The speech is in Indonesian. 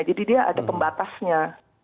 jadi dia ada pembatasnya